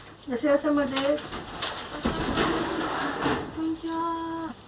こんにちは。